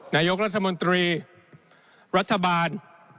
นายกรัฐมนตรีรัฐบาล